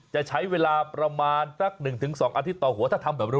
จะใช้เวลาประมาณสักหนึ่งถึงสองอาทิตย์ต่อถ้าทำแบบเร็ว